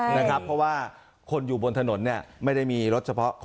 เพราะว่าคนอยู่บนถนนเนี่ยไม่ได้มีรถเฉพาะ